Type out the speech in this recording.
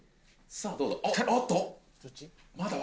さあどうだ？